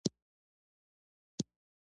تنوع د افغانستان د ولایاتو په کچه توپیر لري.